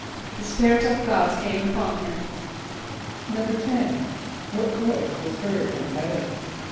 =The Spirit of God came upon him.= =10.= What voice was heard from heaven?